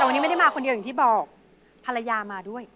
วันนี้ไม่ได้มาคนเดียวอย่างที่บอกภรรยามาด้วย